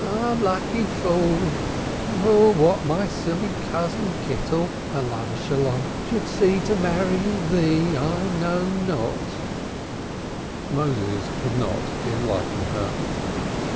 "Unlucky fool! What my silly cousin Gittel, peace be upon him, could see to marry in thee, I know not." Moses could not enlighten her.